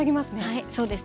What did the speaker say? はいそうですね。